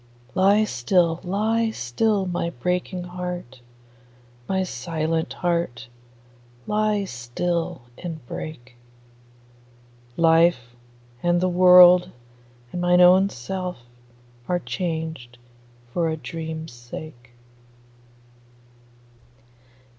Lie still, lie still, my breaking heart; My silent heart, lie still and break: Life, and the world, and mine own self, are changed For a dream's sake.